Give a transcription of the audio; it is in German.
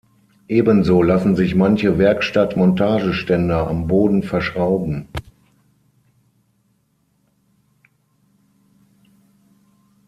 Ebenso lassen sich manche Werkstatt-Montageständer am Boden verschrauben.